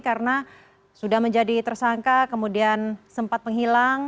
karena sudah menjadi tersangka kemudian sempat menghilang